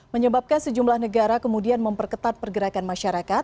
menyebabkan sejumlah negara kemudian memperketat pergerakan masyarakat